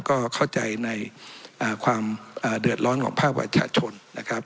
ก็เข้าใจในความเดือดร้อนของภาคประชาชนนะครับ